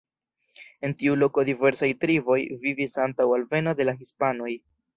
En tiu loko diversaj triboj vivis antaŭ alveno de la hispanoj.